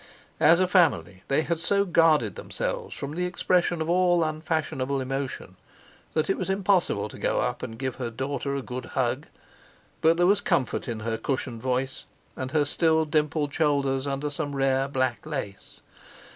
As a family they had so guarded themselves from the expression of all unfashionable emotion that it was impossible to go up and give her daughter a good hug. But there was comfort in her cushioned voice, and her still dimpled shoulders under some rare black lace.